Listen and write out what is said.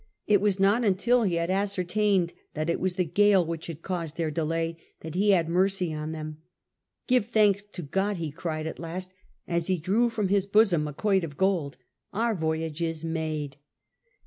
It was not until he had ascertained that it was the gale which had caused their delay that he had mercy on them. ^'Give thanks to Grod," he cried at last^ as he drew from his bosom a quoit of gold, " our voyage is made